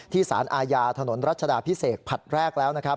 ที่สารอาญาถนนรัชดาพิเศษผัดแรกแล้ว